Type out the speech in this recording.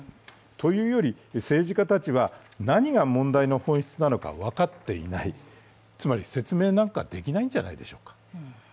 というより、政治家たちは、何が問題の本質なのか分かっていない、つまり説明なんかできないんじゃないでしょうか。